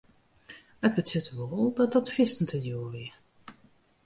It betsjutte wol dat dat fierste djoer wie.